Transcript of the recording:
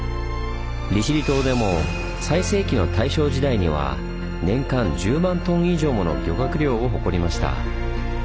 利尻島でも最盛期の大正時代には年間１０万トン以上もの漁獲量を誇りました。